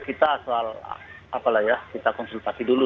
kita soal apalah ya kita konsultasi dulu